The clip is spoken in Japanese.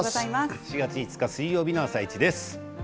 ４月５日水曜日の「あさイチ」です。